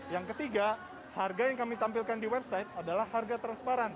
yang ketiga harga yang kami tampilkan di website adalah harga transparan